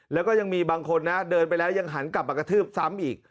แล้วก็ยังมีบางคนนะเดินไปแล้วยังหันกลับมากระทืบซ้ำอีก